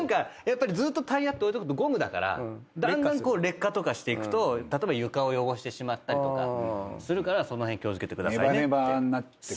ずーっとタイヤって置いとくとゴムだからだんだん劣化とかしていくと例えば床を汚してしまったりするからその辺気を付けてくださいって。